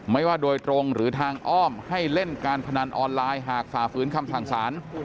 ไม่ว่าโดยตรงหรือทางอ้อมให้เล่นการพนันออนไลน์หากฝ่าฝืนคำสั่งสาร